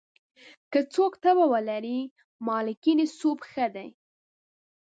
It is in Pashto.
که څوک تبه ولري، مالګین سوپ ښه دی.